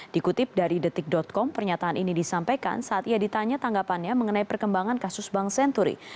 dikutip dari detik com pernyataan ini disampaikan saat ia ditanya tanggapannya mengenai perkembangan kasus bank senturi